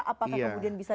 apakah kemudian bisa